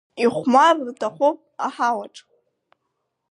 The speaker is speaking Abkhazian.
Ихәмарыр рҭахуп аҳауаҿ.